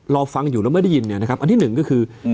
เราฟังอยู่แล้วไม่ได้ยินเนี่ยนะครับอันที่หนึ่งก็คือ